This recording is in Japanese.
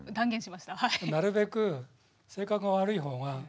なるべく性格が悪い方が。